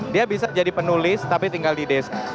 dia bisa jadi penulis tapi tinggal di desa